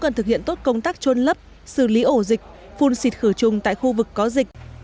cần thực hiện tốt công tác trôn lấp xử lý ổ dịch phun xịt khử trùng tại khu vực có dịch